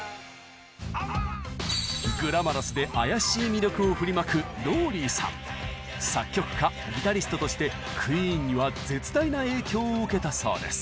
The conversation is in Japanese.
グラマラスで妖しい魅力を振りまく作曲家ギタリストとしてクイーンには絶大な影響を受けたそうです。